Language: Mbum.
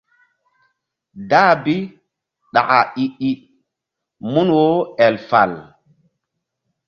Dah bi ɗaka i I mun wo el fal.